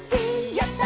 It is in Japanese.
やった！